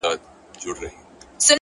د انسان ځواک په صبر کې پټ دی.!